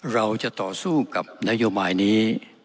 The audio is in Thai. เราจะต่อสู้กับนโยบายนี้